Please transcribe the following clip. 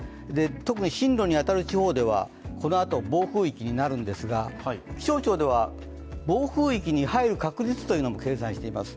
特に進路に当たる地方ではこのあと暴風域になるんですが、気象庁では暴風域になる確率というのも計算しています。